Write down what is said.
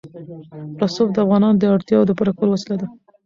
رسوب د افغانانو د اړتیاوو د پوره کولو وسیله ده.